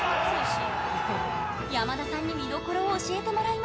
山田さんに見どころを教えてもらいます。